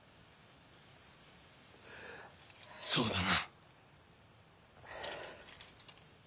そうだな。